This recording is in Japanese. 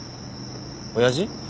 親父？